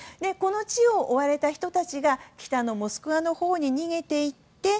この地を追われた人たちが北のモスクワのほうに逃げていき